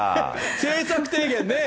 政策提言ね。